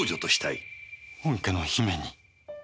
本家の姫に。